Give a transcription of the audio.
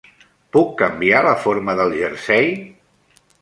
Puc canviar la forma del jersei?